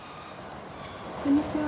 こんにちは。